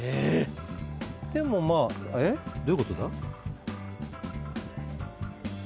・でもまあどういうことだ？